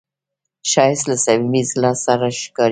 ښایست له صمیمي زړه سره ښکاري